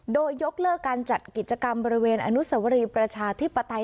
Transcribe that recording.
โดยยกเลิกการจัดกิจกรรมบริเวณอนุสวรีประชาธิปไตย